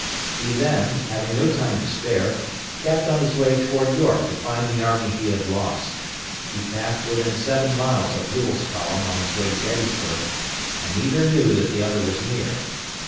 He then, having no time to spare, kept on his way toward York to find the army he had lost. He passed within seven miles of Ewell's column on its way to Gettysburg, and neither knew that the other was near.